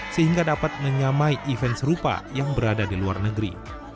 sehingga dapat menyamai event serupa yang berada di luar negeri